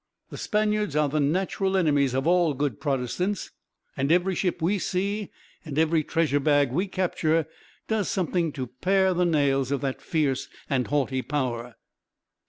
The Spaniards are the natural enemies of all good Protestants, and every ship we see, and every treasure bag we capture, does something to pare the nails of that fierce and haughty power.